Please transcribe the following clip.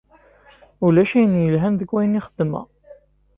Ulac ayen ilhan deg wayen i xedmeɣ.